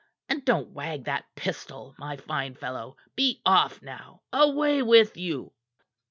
And don't wag that pistol, my fine fellow! Be off, now! Away with you!"